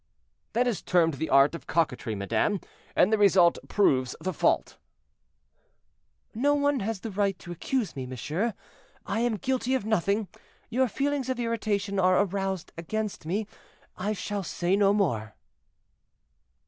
"That is termed the art of coquetry, madame; and the result proves the fault." "No one has the right to accuse me, monsieur; I am guilty of nothing. Your feelings of irritation are aroused against me; I shall say no more."